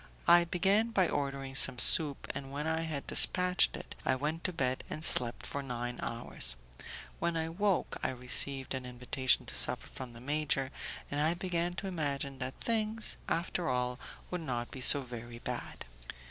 I began by ordering some soup, and, when I had dispatched it, I went to bed and slept for nine hours. When I woke, I received an invitation to supper from the major, and I began to imagine that things, after all, would not be so very bad.